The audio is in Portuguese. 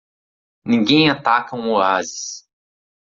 Ninguém ataca um oásis.